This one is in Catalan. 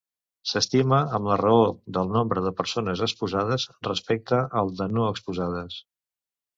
S'estima amb la raó del nombre de persones exposades respecte al de no exposades.